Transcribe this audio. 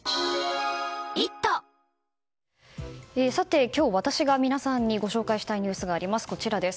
さて、今日私が皆さんにご紹介したいニュースがあります。